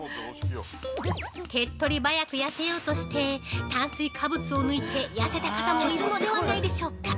◆手っ取り早く痩せようとして炭水化物を抜いて痩せた方もいるのではないでしょうか？